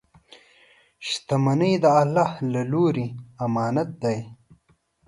• شتمني د الله له لورې امانت دی.